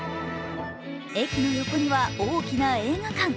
駅の横には大きな映画館。